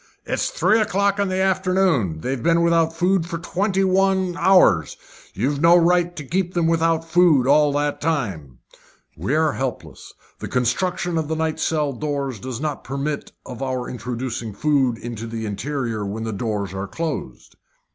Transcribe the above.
"It's now three o'clock in the afternoon. They've been without food for twenty one hours. You've no right to keep them without food all that time." "We are helpless. The construction of the night cells does not permit of our introducing food into the interior when the doors are closed."